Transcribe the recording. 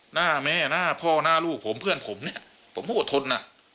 หน้าแม่หน้าพ่อหน้าลูกผมเพื่อนผมเนี่ยผมก็อดทนอ่ะ